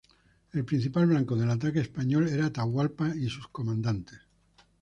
El principal blanco del ataque español era Atahualpa y sus comandantes.